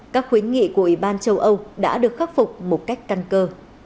các khuyến nghị của ủy ban châu âu đã được khắc phục một cách căn cơ